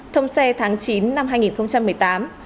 thông xe tháng chín năm hai nghìn một mươi tám